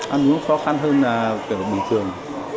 ăn uống khó khăn hơn kiểu bình thường